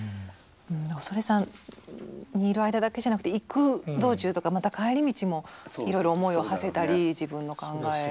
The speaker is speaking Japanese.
恐山にいる間だけじゃなくて行く道中とかまた帰り道もいろいろ思いをはせたり自分の考えと向き合ったり。